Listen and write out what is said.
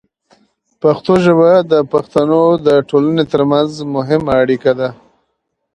پښتو ژبه د پښتنو د ټولنې ترمنځ مهمه اړیکه ده.